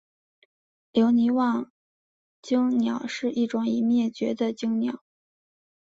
留尼旺椋鸟是一种已灭绝的椋鸟。